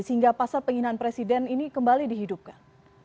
sehingga pasal penginginan presiden ini kembali dihidupkan